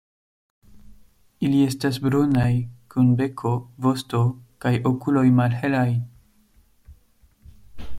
Ili estas brunaj, kun beko, vosto kaj okuloj malhelaj.